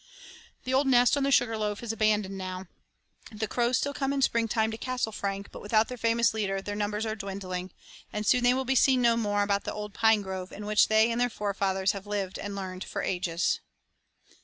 The old nest on the Sugar Loaf is abandoned now. The crows still come in spring time to Castle Frank, but without their famous leader their numbers are dwindling, and soon they will be seen no more about the old pine grove in which they and their forefathers had lived and learned for ages.